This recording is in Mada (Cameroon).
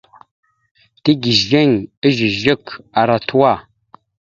Tigizeŋ ezœzœk ara tuwa.